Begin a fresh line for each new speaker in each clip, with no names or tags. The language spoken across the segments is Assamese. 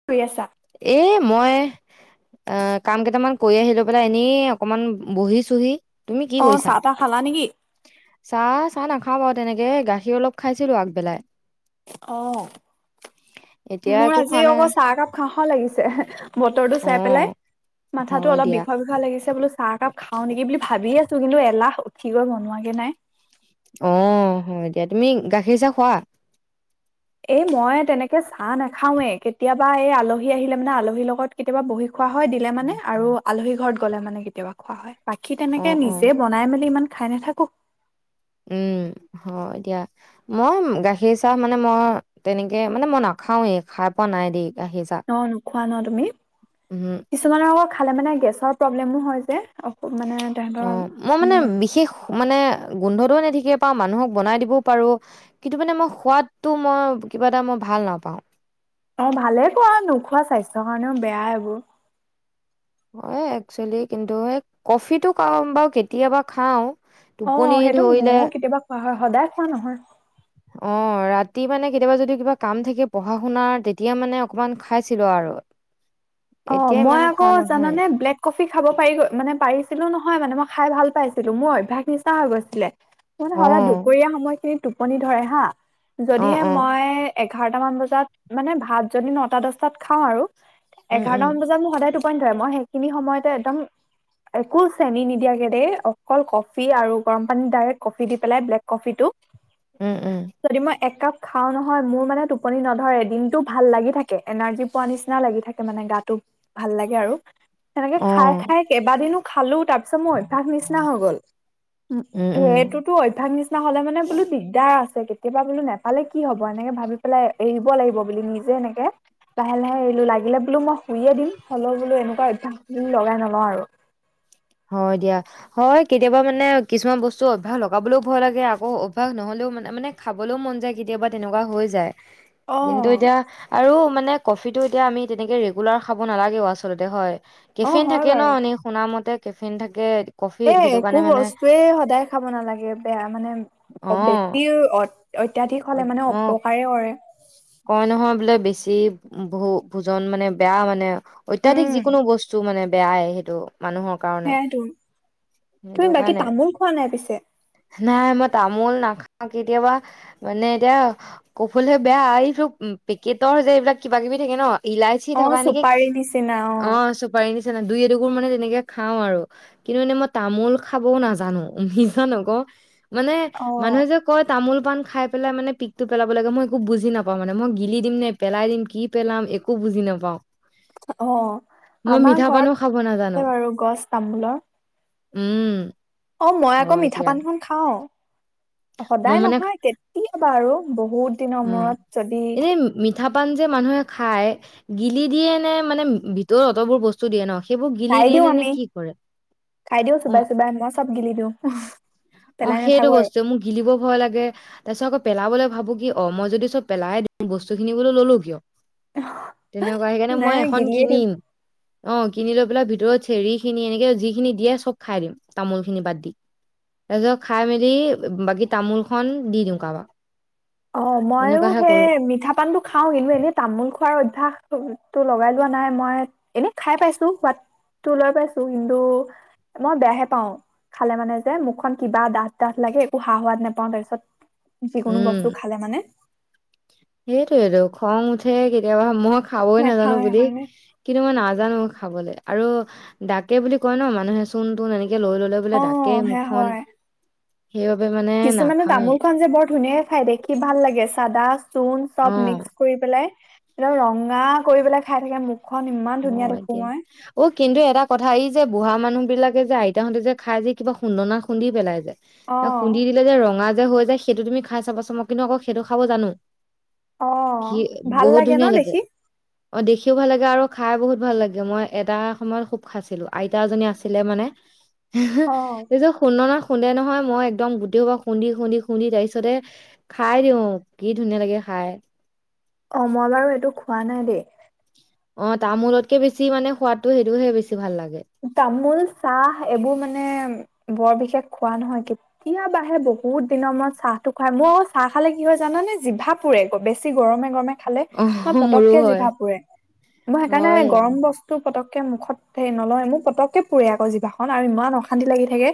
কি কৰি আছা?
এই, মই এঃ, কাম কেইটামান কৰি আহি লৈ পেলাই এনেই অকণমান বহিচোহি। তুমি কি
অ
কৰিছা?
চাহ তাহ খালা নেকি?
চাহ, চাহ নাখাওঁ বাৰু তেনেকে, গাখীৰ অলপ খাইছিলো আগবেলাই।
অ'
এতিয়া
মোৰ
একো খোৱা
আজি
নাই
আকৌ চাহ একাপ খাওঁ খাওঁ লাগিছে বতৰটো
অ
চাই পেলাই, মাথাটো
হয়
অলপ
দিয়া
বিষুৱা বিষুৱা লাগিছে বোলো চাহ একাপ খাওঁ নেকি বুলি ভাবিয়ে আছোঁ, কিন্তু এলাহ উঠিব [unintelligible] নাই।
অ', হয় দিয়া তুমি গাখীৰ চাহ খোৱা?
এই মই তেনেকে চাহ নাখাওঁৱে, কেতিয়াবা এই আলহী আহিলে মানে আলহীৰ লগত কেতিয়াবা বহি খোৱা হয় দিলে মানে, আৰু আলহী ঘৰত গ'লে মানে কেতিয়াবা খোৱা হয়। বাকী
অ
তেনেকে
অ
নিজে বনাই মেলি ইমান খাই নেথাকো।
উম হয় দিয়া। মই গাখীৰ চাহ মানে, মই তেনেকে মানে মই নাখাওঁয়েই, খাই পোৱা নাই দেই। গাখীৰ চাহ
ন নোখোৱা ন তুমি?
উম
কিছুমানৰ আকৌ খালে মানে গেছৰ প্ৰব্লেমো হয় যে। মানে তেহেঁতৰ
অ', মই মানে
উম।
বিশেষ মানে গোন্ধটোও এনে ঠিকে পাওঁ, মানুহক বনাই দিবও পাৰো কিন্তু মানে মই সোৱাদটো মই কিবা এটা মই ভাল নাপাওঁ।
অ', ভালে কোৱা নোখোৱা, স্বাস্থ্যৰ কাৰণেও বেয়াই এইবোৰ।
হয় একচুৱেলি, কিন্তু য়ে কফিটো [unintelligible] বাৰু কেতিয়াবা খাওঁ। টোপনি ধৰিলে
হয়, হয়, হয় সদায় খোৱা নহয়।
[unintelligible] অ' ৰাতি মানে কেতিয়াবা যদি কিবা কাম থাকে পঢ়া শুনাৰ, তেতিয়া মানে অকমান খাইছিলোঁ আৰু। [inaudible]
অ',
এতিয়া
মই
ইমান খোৱা
আকৌ
নহয়।
জানানে ব্লেক কফি খাব পাৰিলোঁ মানে পৰিছিলোঁ নহয় মানে মই খাই ভাল পাইছিলোঁ, মোৰ অভ্যাস নিচিনা হৈ গৈছিলে। মোৰ [unintelligible] সদায়
অ',
দুপৰীয়া সময়খিনিত টোপনি ধৰে হা,
অ',
যদিহে
অ',
মই এঘাৰটামান বজাত, মানে ভাত যদি নটা দচটাত খাওঁ আৰু
উম,
এঘাৰটা
উম,
মান বজাত মোক সদায় টোপনি ধৰে, মই সেইখিনি সময়তে একদম একো চেনি নিদিয়াকে দেই, অকল কফি আৰু গৰম পানীত ডাইৰেক্ট কফি দি পেলাই ব্লেক কফি টো
উম, উম,
[unintelligible] মই এক কাপ খাওঁ নহয় মোৰ মানে টোপনি নধৰে দিনটো ভাল লাগি থাকে এনাৰ্জি পোৱা নিচিনা লাগি থাক তে মানে গাটো ভাল লাগে আৰু সেনেকে খাই
অ',
খাই কেইবাদিনো খালো তাৰ পিছত মোৰ অভ্যাস নিচিনা হৈ গ'ল। উম, সেইটোতো অভ্যাস নিচিনা হ'লে মানে বোলো দিগদাৰ আছে কেবা বোলো নোপালে কি হ'ব এনেকে ভাবি পেলাই এৰিব লাগিব বুলি নিজে এনেকে লাহে, লাহে এৰিলোঁ লাগিলে বোলো মই শুয়ে দিম হ'লেও বোলো এনেকুৱা অভ্যাস লগাই নলওঁ আৰু।
হয় দিয়া। হয় কেতিয়াবা মানে কিছুমান বস্তু অভ্যাস লগাবলেও ভয় লাগে আকৌ অভ্যাস নহ'লেও মানে, মানে খাবলৈও মন যায় কেতিয়াবা তেনেকুৱা হৈ যায়।
অ
কিন্তু এতিয়া আৰু মানে কফিটো এতিয়া আমি তেনেকে ৰেগুলাৰ খাব নালাগেও আচলতে হয়
অ
কেফেন
হয়
থাকে ন
বাৰু
এনে শুনা মতে কেফিন থাকে কফিত
এ,
সেইটো কাৰণে
একো
মানে
বস্তুৱে সদায় খাব নালাগে বেয়া মানে অ', [unintelligible] অত - অত্যাধিক হ'লে মানে
অ',
অপকাৰে কৰে।
কয় নহয় বোলে বেছি বহু ভোজন মানে বেয়া মানে অত্যাধিক
উম,
যিকোনো বস্তু মানে বেয়াই সেইটো মানুহক
সেয়াইটো। তুমি বাকী
কাৰণে
তামোল খোৱা নাই পিছে?
নাই মই তামোল নাখাওঁ কেতিয়াবা মানে এতিয়া কফুলহে বেয়া [unintelligible] [unintelligible] পেকেটৰ যে এইবিলাক কিবা-কিবি থাকে ন ইলাচি
অ
থকা এনেকে,
চুপাৰী নিচিনা
অ' [unintelligible] পাৰি নিচানা দুই এডু গুৰ মানে তেনেকে খাওঁ আৰু। কিন্তু মানে মই তামোল খাবওঁ নাজানো মিজা নকৌ। মানে
অ
মানুহে যে কয় তামোল পা খাই পেলাই মানে পিকতটো পেলাব লাগে মই একো বুজি নাপাওঁ। [unintelligible] মানে মই গিলি দিম নে, পেলাই দিম কি পেলাম একো বুজি নাপাও। মানে মই গিলি দিম নে, পেলাই দিম, কি পেলাম, একো বুজি নাপাও।
অ আমাৰ
পানো খাব নাজানো
ঘৰত বাৰু গছ তামোলৰ।
উম।
অ মই আকৌ
হয়
মিঠা
দিয়া
পান খন খাও,
মই
সদায়
মানে
নহয় এনি [inaudible] ইবা আৰু বহুত। দিনৰ
উ'ম।
মূৰত যদি
এই মিঠা পান যে মানুহে খাই' গিলি দিয়ে নে' মানে ভিতৰত অতবোৰ ব স্তু দিয়ে ন' সেইবোৰ গিলি
খাই
দিয়ে
দিও
নে নে
আমি
কি কৰে?
খাই দিও চোবাই
অ'
চোবাই মই চব গিলি দিওঁ।
অ সেইটো বস্তুৱে মোক গিলিব ভয় লাগে, তাৰ পিছত আকৌ পেলাবলৈ ভাবো কি অ' মই যদি চব পেলাই দিওঁ বস্তু খিনি বোল ললো কিয়! তেনেকুৱা সেইকাৰণে
নাই
মই এখন
গিলিয়ে দিও
কিনিম। অ কিনি লৈ পেলাই ভিতৰত চেৰিখিনি এনেকে যিখিনি দিয়ে চব খাই দিম। তামোল খিনি বাদ দি। তাৰপিছত খাই মেলি বাকী তামোল খন দি দিওঁ কাৰোবাক।
অ মইয়ো
তেনেকুৱাহে
সেই
কৰো
মিঠা পানটো খাওঁ কিন্তু এনেই তামোল খোৱাৰ অভ্যাস তটো লগাই লোৱা নাই' মই এনে খাই পাইছো হোৱাত তো লৈ পাইছো কিন্তু মই বেয়াহে পাও, খালে মানে যে মুখখন কিবা ডাঠ ডাঠ লাগে একো সা সোৱাদ নোপাওঁ তাৰপিছত যিকোনো বস্তু খালে মানে'
সেইটোয়েইটো খং উঠে কেতিয়াবা মই খাবই
নেখাওঁ
নাজানো বুলি
সেইকাৰণে
কিন্তু মই নাজানো খাবলৈ আৰু ডাকে বুলি কয় ন' মানুহে চোন তোন এনেকে লৈ ললে বোলে ডাকে
অ' সেয়া
মুখখন,
হয়
সেইবাবে মানে
কিছুমানে
নাখাওৱে
তামোল খন যে বৰ ধুনীয়াকে খাই দেখি ভাল লাগে, চাদা, চোণ
অ
চব মিক্স কৰি পেলাই' একম ৰঙা কৰি পেলাই খাই থাকে মুখখন ইমান ধুনীয়া
হয়
দেখো
দিয়া
মই।
অ কিন্তু এটা কথা' এই যে বুঢ়া মানুহ বিলাকে যে আইতাহঁতে যে' খাই যে কিবা খুন্দনা খুন্দি পেলাই যায়যে?
অ'
খুন্দি দিলে যে ৰঙা যে হৈ যায়, সেইটো তুমি খাই চাবা চোন কিন্তু আকৌ সেইটো খাব জানো।
অ'
কি
ভাল
বহুত
ন
ধুনীয়া লাগে!
দেখি
অঁ দেখিও ভাল লাগে আৰু খাই বহুত ভাল লাগে, মই এটা সময়ত খুব খাইছিলোঁ! আইতা এজনী আছিলে মানে
অ
এই যে খুন্দনাত খুন্দে নহয় মই একদম গোটেইসোপা খুন্দি, খুন্দি, খুন্দি তাৰ পিছতে খাই দিওঁ! কি ধুনীয়া লাগে খাই।
অ' মই বাৰু এইটো খোৱা নাই দেই!
অঁ তামোলতকে বেছি মানে সোৱাদটো সেইটোহে বেছি ভাল লাগে।
তামোল, চাহ এইবোৰ মানে বৰ বিশেষ খোৱা নহয় কে কেতিয়াবাহে, বহুত দিনৰ মূৰত চাহটো খুৱাই মই অ' চাহ খালে কি হয় জানানে জিভা পুৰে বেছি গৰমে, গৰমে খালে
অ
মই
মোৰো
পতককে
হয়
জিভা পুৰে! মই সেইকাৰণে
হয়
গৰম ব স্তু, পতককে মুখত হেৰি নলওঁয়ে মোৰ পতককে পুৰে আকৌ জিভাখন আৰু ইমান অশান্তি লাগি থাকে!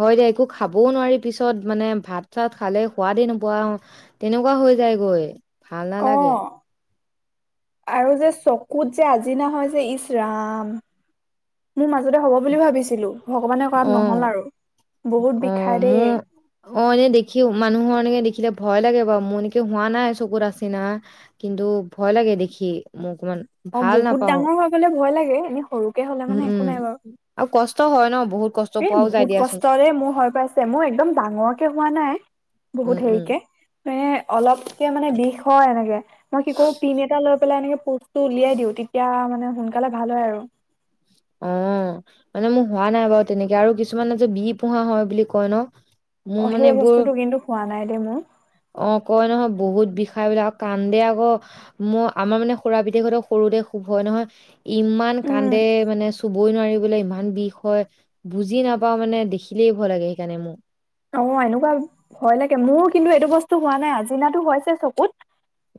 হয় দে একো খাবও নোৱাৰি পিছত মানে' ভাত চাত খালেও সোৱাদেই নোপোৱা হওঁ! তেনেকুৱা হৈ যায়গৈ, ভাল
অ
নালাগে!
আৰু যে চকুত যে আজিনা হয় যে ইচ ৰাম মোৰ মাজতে হ'ব বুলি ভাবিছিলোঁ, ভগৱানে
অ
কৰাত নহ'ল আৰু! বহুত
অ
বিষাই দেই।
মোৰ অ' এনে দেখি মানুহৰ এনেকে দেখিলে ভয় লাগে বাৰু' মোৰ এনেকে হোৱা নাই চকুত আচিনা! কিন্তু ভয় লাগে দেখি মোৰ কিমান।
অ' বহুত ডাঙৰ হৈ গ'লে ভয় লাগে, এনে সৰুকে হ'লে
উম
মানে
উম
একো নাই বাৰু।
আৰু কষ্ট হয় ন বহুত কষ্ট
এই
পোৱাও যায়
বহুত
দিয়াচোন
কষ্টৰে মোৰ হৈ পাইছে, মোৰ একদম ডাঙৰকে হোৱা নাই
উম
বহুত
উম
হেৰিকে। এ, অলপকে মানে বিষ হয় এনেকে, মই কি কৰোঁ পিন এটা লৈ পেলাই এনেকে পূঁজটো উলিয়াই দিওঁ, তেতিয়া মানে সোনকালে ভাল হয় আৰু।
অ' মানে মোৰ হোৱা নাই বাৰু তেনেকে আৰু কিছুমানে যে বি ফোঁহা হয় বুলি কয় ন'? মোৰ
অ'
মানে
সেই
এইবোৰ
বস্তুটো কিন্তু হোৱা নাই দেই মোৰ।
অ' কয় নহয় বহুত বিষাই বুলি আৰু কান্দে আকৌ। ম আমাৰ মানে খুৰা পিতেকহঁতৰ সৰুতে খুব হয় নহয়, ইমান
উম
কান্দে। মানে চুবই নোৱাৰি বোলে ইমান বিষ হয়, বুজি নাপাওঁ মানে দেখিলেই ভয় লাগে সেইকাৰণে মোৰ।
অ' এনেকুৱা ভয় লাগে, মোৰ কিন্তু এইটো বস্তু হোৱা নাই, আজিনাতো হৈছে চকুত।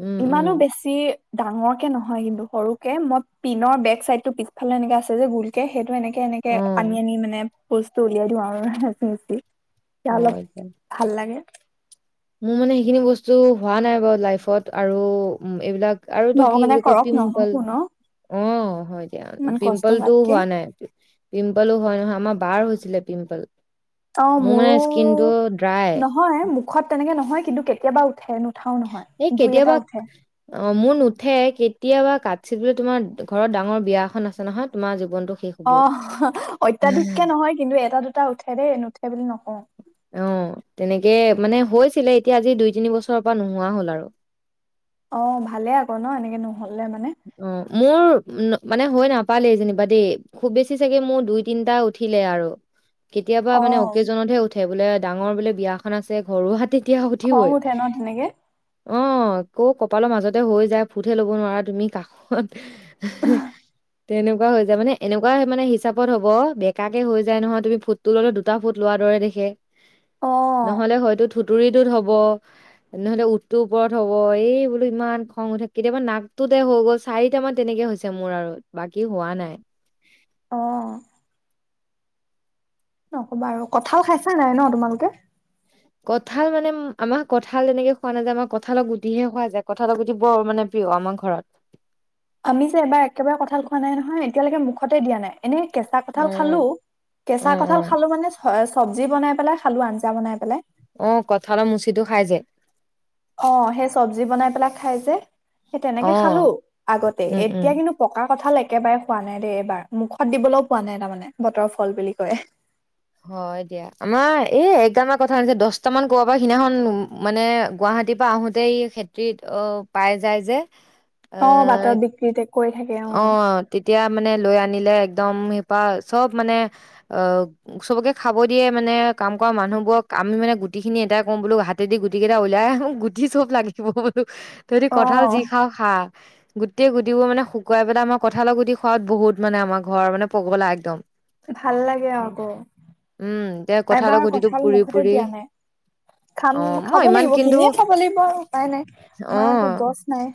উম উম
ইমানো বেছ ছি ডাঙৰকে নহয় কিন্তু সৰুকে মই পিনৰ বেক চাইডটো পিছফালে এনেকে আছে যে গোলকে সেইটো এনেকে তেনেকে
অ
আনি আনি মানে পূঁজটো উলিয়াই দিওঁ আৰু [unintelligible] তেতিয়া অলপ
হয় এতিয়া
ভাল লাগে।
মোৰ মানে সেইখিনি বস্তু হোৱা নাই বাৰু লাইফত আৰু এইবিলাক আৰু এইটো কি
ভগৱানে
বুলি কয়
কৰক
পিম্পল
নহওকো ন
অ' হয় দিয়া,
ইমান কষ্ট
পিম্পলটো
হোৱাতকে
হোৱা নাই। পিম্পলো হয় নহয় আমাৰ বাৰ হৈছিলে পিম্পল, মোৰ মানে স্কিনটো ড্ৰাই।
হয় মুখত তেনেকে নহয় কিন্তু কেতিয়াবা উঠে, নুঠাও নহয়
এই
দুই এটা
কেতিয়াবা
উঠে।
অ' মোৰ নুঠে কেতিয়াবা কাতচিৎ তোমাৰ ঘৰত ডাঙৰ বিয়াখন আছে নহয় জীৱনটো শেষ। হ'বই।
অ' অত্যাধিককে নহয় কিন্তু এটা দুটা উঠে দেই, নুঠে বুলি নকওঁ।
অ' তেনেকে মানে হৈছিলে, এতিয়া আজি দুই তিনি বছৰৰ পৰা নোহোৱা হ'ল আৰু।
অ' ভালে আকৌ ন' এনেকে নহ'লে মানে।
উম, মোৰ মানে হৈ নাপালেই যেনিবা দেই। খুব বেছি চাগে মোৰ দুই তিনটা উঠিলে আৰু। কেতিয়াবা
অ
মানে অকেজনতহে উঠে, বোলে ডাঙৰ বোলে বিয়াখন আছে ঘৰো হাটিত তেতিয়া
খং
উঠিবই।
উঠে ন তেনেকে
অ' কৌ কপালৰ মাজতে হৈ যায়, ফুটহে ল'ব নোৱাৰা তুমি। [inaudible] তেনেকুৱা হৈ যায়, মানে এনেকুৱা মানে হিচাপত হ'ব বেকাকে হৈ যায় নহয় তুমি ফোঁট টো ল'লে দুটা ফোঁট লোৱাৰ দৰে দেখে,
অ
নহ'লে হয়তো থুতুৰিটোত হ'ব। নহ'লে উঠটোৰ ওপৰত হ'ব, এই বোলো ইমান খং উঠে কেতিয়াবা নাকটোত তে হৈ গ'ল, চাৰিট মান তেনেকে হৈছে মোৰ আৰু বাকী হোৱা নাই।
অ'। নক'বা আৰু। কঁঠাল খাইছা নাই ন' তোমালোকে?
কঁঠাল মানে আমাৰ কঠাল তেনেকে খোৱা নাযায়, আমাৰ কঁঠালত গুটিহে খোৱা যায়, কঁঠালত গুটি বৰ মানে প্ৰিয় আমাৰ ঘৰত।
আমি যে এবাৰ একেবাৰে কঁঠাল খোৱা নাই নহয়, এতিয়ালৈকে মুখতে দিয়া নাই, এনে কেঁচা
অ
কঁঠাল খালোঁ।
অ
কেঁচা
অ
কঁঠাল খালোঁ মানে চ-চবজি বনাই পেলাই খালোঁ, আঞ্জা বনাই পেলাই।
অ' কঁঠালৰ মুচিটো খাই যে।
অ' সেই চবজি বনাই পেলাই খাই যে সেই তেনেকে
অ
খালোঁ আগতে,
উম উম
এতিয়া কিন্তু পকা কঁঠাল একেবাৰে হোৱা নাই দেই এইবাৰ, মুখত দিবলৈও পোৱা নাই তাৰমানে, বতৰৰ ফল বুলি কয়।
হয় দিয়া। আমাৰ এই একগাল মান কঁঠাল আনিছে, দহটামান ক'বাৰ পৰা সিদিনাখন মানে গুৱাহাটী আহো তে এই খেতিত অ' পাই যায় যে। এ
অ' বাটত বিক্ৰী তে কৰি থাকে অ'।
তেতিয়া মানে লৈ আনিলে একদম সেইপা চব মানে অ' চবকে খাব দিয়ে মানে কাম কৰা মানুহবোৰক, আমি মানে গুটিখিনি এদায় কৰোঁ বোলো হাত হাতে দি গুটি কেইটা উলাই আহোঁ গুটি চব লাগিব বুলো তহঁতি
অ
কঠাল যি খাওঁ খা। গোটেই গুটিবোৰ মানে শুকুৱাই পেলাই [unintelligible] কঁঠালৰ গুটি খোৱাত বহুত মানে আমাৰ ঘৰ মানে পগলা একদম।
ভাল লাগে আকৌ
উম এতিয়া কঁঠালৰ
এবাৰ
গুটিটো
কঠাল
পুৰি
মুখতে
পুৰি
দিয়া নাই। খাম
অ', মই
খাব
ইমান
লাগিব
কিন্তু
কিনিয়ে খাব লাগিব আৰু উপাই নাই আমাৰতো
অ',
গছ নাই।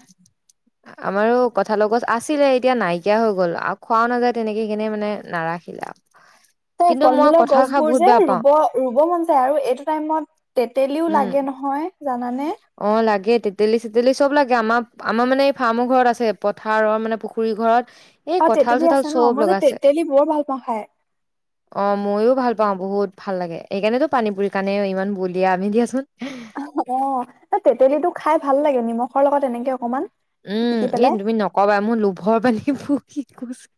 [inaudible] আমাৰো কঁঠাল গছ আছিলে এতিয়া নাইকিয়া হৈ গ'ল আৰু খোৱাও নাযায় তেনেকে সেকেনে মানে নাৰাখিলে আৰু।
এ
কিন্তু মই
ফল-মূলৰ
কঁঠাল খাই
গছবোৰ
বহুত
যে
বেয়া পাওঁ
ৰুব, ৰুব মন যায় আৰু এইটো টাইমত তেতেলীও লাগে নহয় জানানে?
অ'লাগে তেতেলী-চেতেলি চব লাগে আমাৰ, আমাৰ মানে এই ফাৰ্মৰ ঘৰত আছে পথাৰৰ মানে পু খুৰী ঘৰত এই কঁঠাল
অ'তেতেলী
চঠাল
আছে
চব
ন'মই যে
লগাইছে
তেতেলী বৰ ভাল পাওঁ খাই।
[inaudible] অ' মইয়ো ভাল পাওঁ বহুত ভাল লাগে এইকাৰণেতো পানী পুৰি কাৰণে ইমান বলিয়া আমি দিয়াচোন।
[unintelligible] অ'তেতেলীটো খাই ভাল লাগে নিমখৰ লগত এনেকে অকমান।
উম,
পিটিকি
এ
পেলাই
তুমি নকবা মোৰ লোভৰ পানি পৰি গৈছে।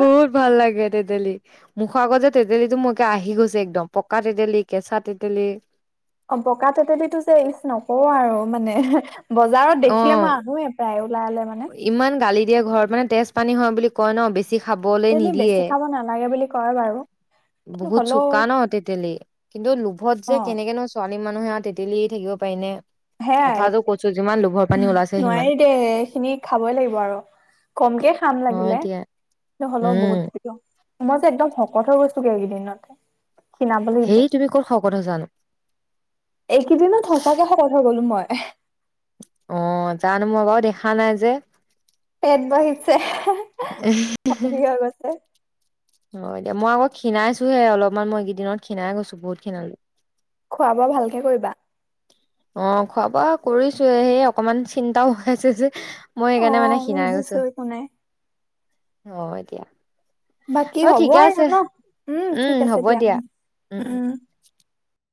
বহত ভাল লাগে তেতেলী। মুখৰ আগত যে তেতেলীটো মোৰ একে আহি গৈছে একদম পকা তেতেলী, কেঁচা তেতেলী
অ' পকা তেতেলীতোটো যে ইচ নকওঁ আৰু মানে। বজাৰত
অ
দেখিলে মই আনোয়ে প্ৰায় ওলালে মানে।
ইমান গালি দিয়ে ঘৰত মানে তেজ পানী হয় বুলি কয় ন' বেছি খাবলৈ
তেতেলি
নিদিয়ে
বেছি খাব নালাগে বুলি কয় বাৰু। কিন্তু
বহুত
হ'লেও
চোকা ন' তেতেলি কিন্তু লোভত যে
অ
কেনেকে নো ছোৱালী মানুহে আ তেতেলী এৰি থাকিব পাইনে
সেয়াই
কথাটো কৈছো যিমান লোভৰ পানী ওলাইছে সিমান।
তে এই খিনি খাবই লাগিব আৰু কমকে খাম
হয়
লাগিলে
দিয়া
নহ'লও
উম
বহুত মই যে একদম শকত হৈ গৈছলোঁ গে একেইদিনত।
সেই তুমি ক'ত শকত হৈছে নো।
এইকেইদিনত সঁচাকে শকত হৈ গলোঁ মই।
অ' জানো মই বাৰু দেখা নাই যে।
পেট বাহিছে [unintelligible] হৈ গৈছে।
হয় দিয়া মই আকৌ খিণাইছোহে অলপমান মইকেইদিনত খীণাই গৈছো বহুত খিনালোঁ।
খোৱা বোৱা ভালকে কৰিবা।
অ'খোৱা বোৱা কৰিছো এ সেই অকমান চিন্তাও হৈ আছে যে মই
অ
এইকাৰণে মানে শীণাই
বুজিছো
গৈছো
একো নাই
হয়, দিয়া।
বাকী হ'ব আৰু ন' উম,
উম
ঠিক
হ'ব
আছে দিয়া উম,